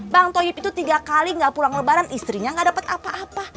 bang toib itu tiga kali gak pulang lebaran istrinya gak dapat apa apa